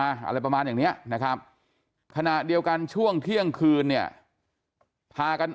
อะไรประมาณอย่างเนี้ยนะครับขณะเดียวกันช่วงเที่ยงคืนเนี่ยพากัน